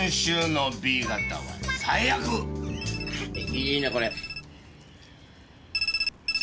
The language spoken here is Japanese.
いいねこれ。